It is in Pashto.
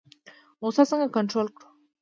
غوسه څنګه کنټرول کړو؟